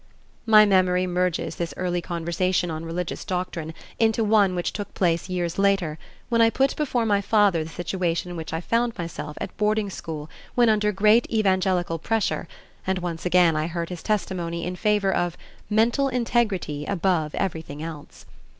My memory merges this early conversation on religious doctrine into one which took place years later when I put before my father the situation in which I found myself at boarding school when under great evangelical pressure, and once again I heard his testimony in favor of "mental integrity above everything else."